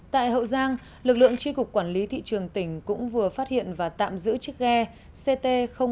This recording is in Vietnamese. tại hậu giang lực lượng tri cục quản lý thị trường tỉnh cũng vừa phát hiện và tạm giữ chiếc ghe ct bảy nghìn bảy trăm chín mươi ba